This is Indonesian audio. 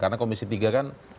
karena komisi tiga kan